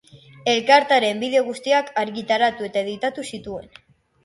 Elkartearen bideo guztiak argitaratu eta editatu zituen.